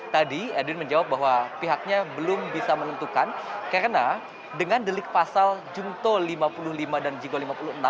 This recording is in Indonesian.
tadi edwin menjawab bahwa pihaknya belum bisa menentukan karena dengan delik pasal jungto lima puluh lima dan juga lima puluh enam